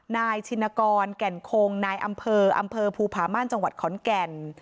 ชินกรแก่นคงนายอำเภออำเภอภูผาม่านจังหวัดขอนแก่น